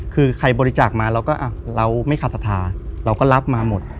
คือใครบริจาคมาเราก็เราไม่ขาดศรัทธาเราก็รับมาหมด